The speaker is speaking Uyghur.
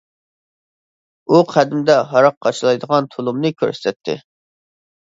ئۇ قەدىمدە ھاراق قاچىلايدىغان تۇلۇمنى كۆرسىتەتتى.